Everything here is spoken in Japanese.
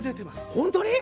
本当に？